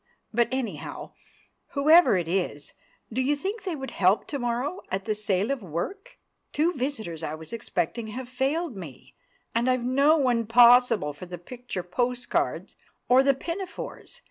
But, anyhow, whoever it is, do you think they would help to morrow at the Sale of Work? Two visitors I was expecting have failed me, and I've no one possible for the picture post cards or the pinafores.